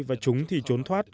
và chúng thì trốn thoát